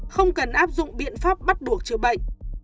không cần áp dụng biện pháp bắt buộc chữa bệnh